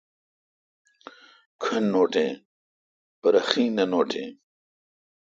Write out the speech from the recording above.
کھن نوٹیں پرہ خیں نہ نوٹیں۔